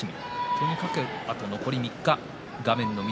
とにかく、あと残り３日画面の翠